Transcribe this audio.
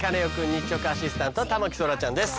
日直アシスタントは田牧そらちゃんです。